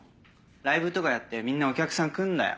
ライブとかやってみんなお客さん来るんだよ。